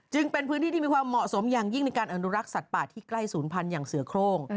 เป็นพื้นที่ที่มีความเหมาะสมอย่างยิ่งในการอนุรักษ์สัตว์ป่าที่ใกล้ศูนย์พันธุ์อย่างเสือโครง